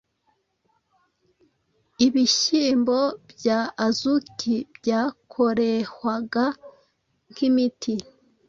Ibihyimbo bya Azuki byakorehwaga nkimiti,